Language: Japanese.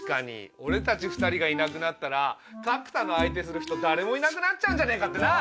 俺たち２人がいなくなったら角田の相手する人誰もいなくなっちゃうんじゃねえかってな？